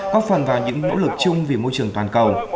góp phần vào những nỗ lực chung vì môi trường toàn cầu